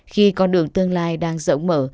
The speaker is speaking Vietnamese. khi con đường tương lai đang rỗng mở